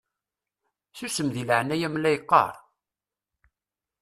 Susem deg leɛnaya-m la yeqqaṛ!